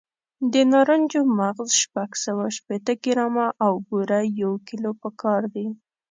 د نارنجو مغز شپږ سوه شپېته ګرامه او بوره یو کیلو پکار دي.